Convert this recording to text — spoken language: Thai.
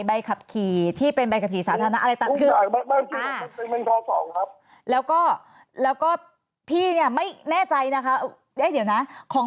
ใบขับขี่ที่เป็นใบขับขี่สาธารณะอะไรต่างกันคือทุกอย่างใบขับขี่ที่เป็นใบขับขี่สาธารณะอะไรต่างกัน